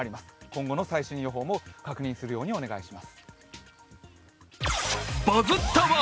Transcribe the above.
今後の最新情報も確認するようにお願いします。